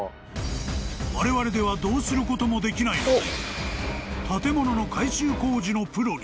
［われわれではどうすることもできないので］